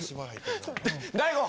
大悟！